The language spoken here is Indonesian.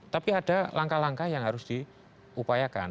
tapi ada langkah langkah yang harus diupayakan